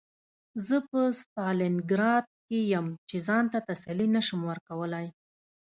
زه په ستالینګراډ کې یم چې ځان ته تسلي نشم ورکولی